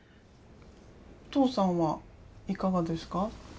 父さんはいかがですか？